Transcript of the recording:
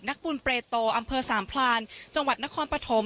นักบุญเปรโตอำเภอสามพลานจังหวัดนครปฐม